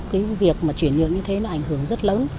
cái việc mà chuyển nhượng như thế nó ảnh hưởng rất lớn